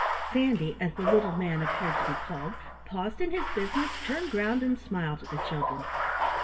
Sandy, as the little man appeared to be called, paused in his business, turned round, and smiled at the children.